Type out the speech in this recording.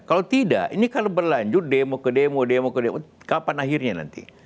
kalau tidak ini kalau berlanjut demo ke demo demo ke demo kapan akhirnya nanti